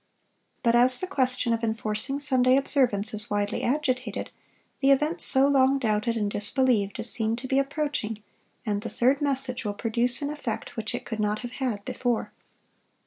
But as the question of enforcing Sunday observance is widely agitated, the event so long doubted and disbelieved is seen to be approaching, and the third message will produce an effect which it could not have had before.